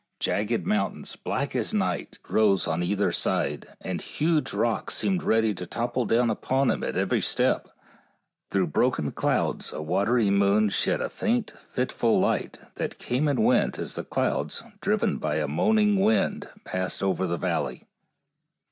Jagged mountains, black as night, rose on either side, and huge rocks seemed ready to topple down upon him at every step. Through broken clouds a watery moon shed a faint, fit ful light, that came and went as the clouds, driven by a moaning wind, passed over the valley.